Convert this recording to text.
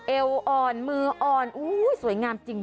เอวอ่อนมืออ่อนสวยงามจริง